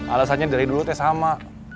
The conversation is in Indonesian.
alasannya dari dulu teh sama